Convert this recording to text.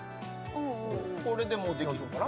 これでもうできるんかな？